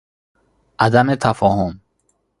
عدم تفاهم